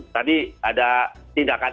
tadi ada tindakan